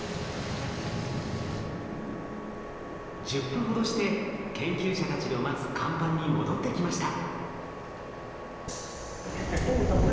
１０分ほどして研究者たちの待つ甲板に戻ってきました。